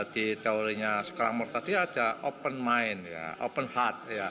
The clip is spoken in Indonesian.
di teorinya skramor tadi ada open mind open heart